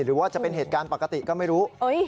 หรือว่าจะเป็นเหตุการณ์ปกติก็ไม่รู้